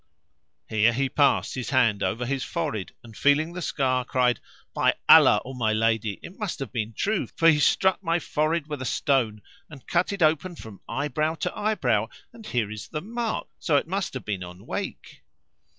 Here he passed his hand over his forehead and, feeling the scar, cried, "By Allah, O my lady, it must have been true, for he struck my forehead with a stone and cut it open from eye brow to eye brow; and here is the mark: so it must have been on wake."